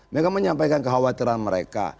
mereka menyampaikan kekhawatiran mereka